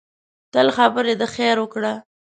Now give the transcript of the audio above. تل خبرې د خیر وکړه